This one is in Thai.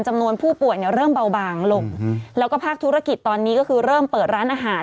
จำนวนผู้ป่วยเนี่ยเริ่มเบาบางลงแล้วก็ภาคธุรกิจตอนนี้ก็คือเริ่มเปิดร้านอาหาร